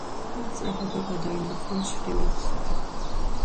მან სწრაფადვე გადაინაცვლა ჩრდილოეთისკენ.